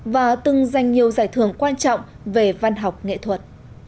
và từng giành nhiều giải thưởng quan trọng về văn học nghệ thuật